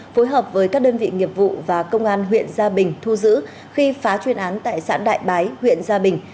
phối hợp với các đơn vị nghiệp vụ và công an huyện gia bình thu giữ khi phá chuyên án tại xã đại bái huyện gia bình